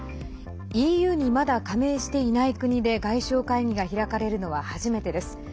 ＥＵに、まだ加盟していない国で外相会議が開かれるのは初めてです。